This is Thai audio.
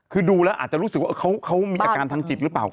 คือดูแล้วอาจจะรู้สึกว่าเขามีอาการทางจิตหรือเปล่า